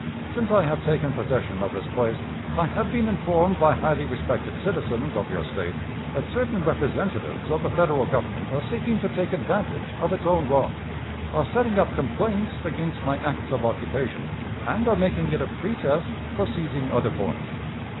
Since I have taken possession of this place, I have been informed by highly respected citizens of your State that certain representatives of the Federal Government are seeking to take advantage of its own wrong, are setting up complaints against my acts of occupation, and are making it a pretest for seizing other points.